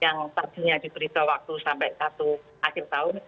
yang tadinya diberi waktu sampai satu akhir tahun